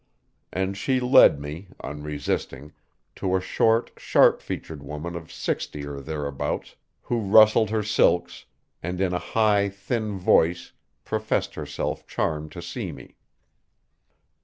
And she led me, unresisting, to a short, sharp featured woman of sixty or thereabouts, who rustled her silks, and in a high, thin voice professed herself charmed to see me.